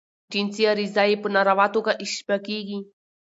جنسی غریزه ئې په ناروا توګه اشباه کیږي.